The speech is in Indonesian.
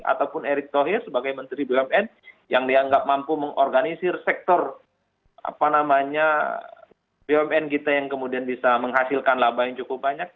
ataupun erick thohir sebagai menteri bumn yang dianggap mampu mengorganisir sektor bumn kita yang kemudian bisa menghasilkan laba yang cukup banyak